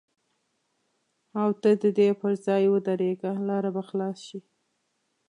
او ته د دې پر ځای ودرېږه لاره به خلاصه شي.